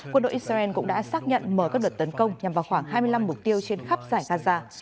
quân đội israel cũng đã xác nhận mở các đợt tấn công nhằm vào khoảng hai mươi năm mục tiêu trên khắp giải gaza